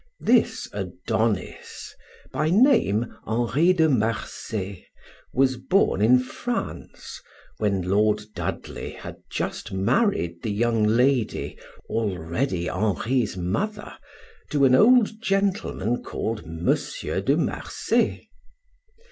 This Adonis, by name Henri de Marsay, was born in France, when Lord Dudley had just married the young lady, already Henri's mother, to an old gentleman called M. de Marsay.